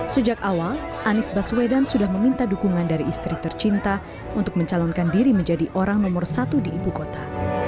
sejak awal anies baswedan sudah meminta dukungan dari istri tercinta untuk mencalonkan diri menjadi orang nomor satu di ibu kota